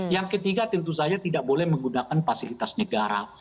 yang ketiga tentu saja tidak boleh menggunakan fasilitas negara